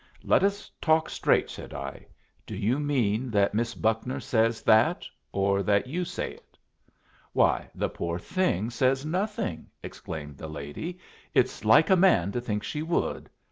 "Let us talk straight," said I. "Do you mean that Miss Buckner says that, or that you say it?" "Why, the poor thing says nothing!" exclaimed the lady. "It's like a man to think she would.